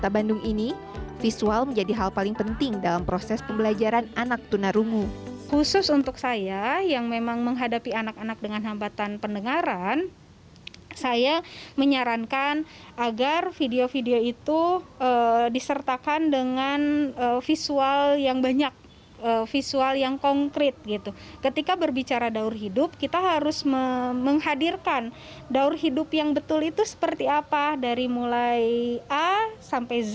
bagi siswa siswinya yang berkebutuhan khusus